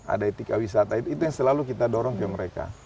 ada etika wisata itu yang selalu kita dorong ke mereka